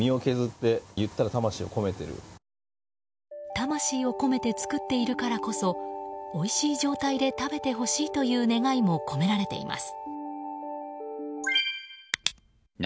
魂を込めて作っているからこそおいしい状態で食べてほしいという願いも込められています。